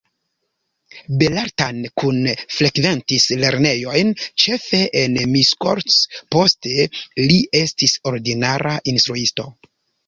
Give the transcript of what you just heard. Bertalan Kun frekventis lernejojn ĉefe en Miskolc, poste li estis ordinara instruisto.